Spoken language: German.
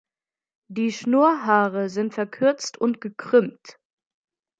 Die Schnurrhaare sind verkürzt und gekrümmt.